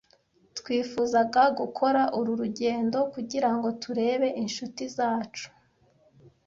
Twifuzaga gukora uru rugendo kugirango turebe inshuti zacu.